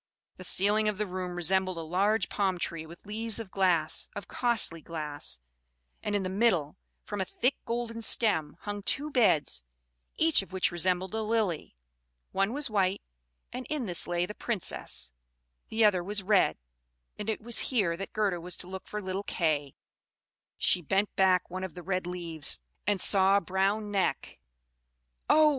The ceiling of the room resembled a large palm tree with leaves of glass, of costly glass; and in the middle, from a thick golden stem, hung two beds, each of which resembled a lily. One was white, and in this lay the Princess; the other was red, and it was here that Gerda was to look for little Kay. She bent back one of the red leaves, and saw a brown neck. Oh!